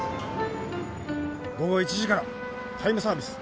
午後１時からタイムサービス！